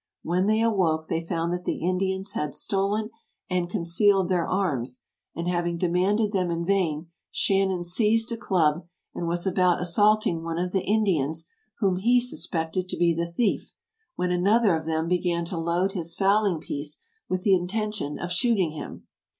When they awoke they found that the Indians had stolen and con cealed their arms; and having demanded them in vain, Shannon seized a club, and was about assaulting one of the Indians whom he suspected to be the thief, when another of them began to load his fowling piece with the intention of shooting him.